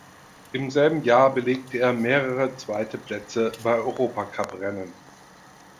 Im selben Jahr belegte er mehrere zweite Plätze bei Europacuprennen.